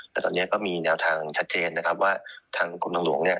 แต่ตอนนี้ก็มีแนวทางชัดเจนนะครับว่าทางกรมทางหลวงเนี่ย